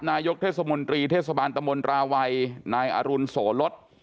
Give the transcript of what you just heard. นายกเทศมนตรีเทศบาลตะมนตราวัยนายอรุณโสลด